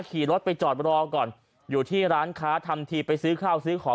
ขี่รถไปจอดรอก่อนอยู่ที่ร้านค้าทำทีไปซื้อข้าวซื้อของ